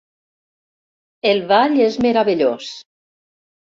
El ball és meravellós.